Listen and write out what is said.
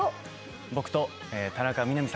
僕と田中みな実さん。